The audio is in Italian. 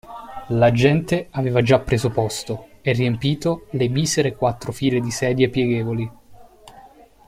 La gente aveva già preso posto e riempito le misere quattro file di sedie pieghevoli.